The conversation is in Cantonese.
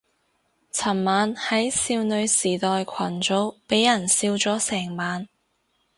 尋晚喺少女時代群組俾人笑咗成晚